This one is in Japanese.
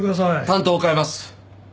担当を代えます。